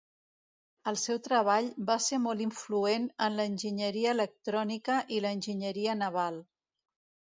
El seu treball va ser molt influent en l'enginyeria electrònica i l'enginyeria naval.